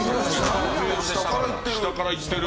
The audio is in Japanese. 下からいってる！